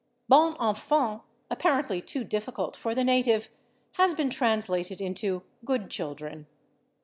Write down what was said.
/Bon Enfants/, apparently too difficult for the native, has been translated into /Good Children